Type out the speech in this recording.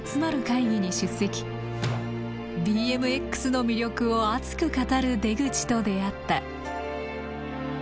ＢＭＸの魅力を熱く語る出口と出会った。